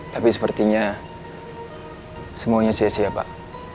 tapi sepertinya semuanya sia sia pak